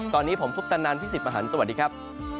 ตอนนี้ผมพุทธนันพี่สิบอาหารสวัสดีครับ